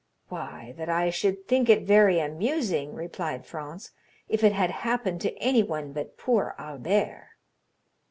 "Why, that I should think it very amusing," replied Franz, "if it had happened to anyone but poor Albert."